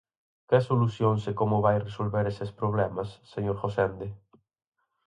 ¿Que solucións e como vai resolver eses problemas, señor Gosende?